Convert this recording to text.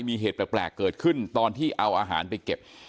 มีเหตุแปลกเกิดขึ้นตอนที่เอาอาหารไปเก็บ